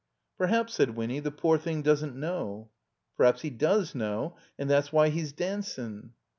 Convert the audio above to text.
"Perhaps," said Winny, "the poor thing doesn't know." "Per'aps he does know, and that's why he's dancin'."